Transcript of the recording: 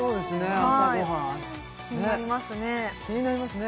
ねねっ気になりますね